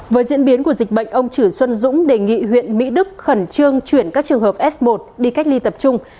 với diễn biến của dịch bệnh ông chử xuân dũng đề nghị huyện mỹ đức khẩn trương chuyển các trường hợp f một đi cách ly tập trung